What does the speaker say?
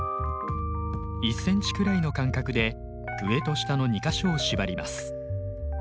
１ｃｍくらいの間隔で上と下の２か所を縛ります。